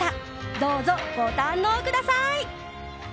どうぞ、ご堪能ください！